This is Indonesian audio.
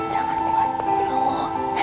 jangan kuat dulu